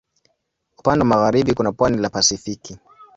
Upande wa magharibi kuna pwani la Pasifiki.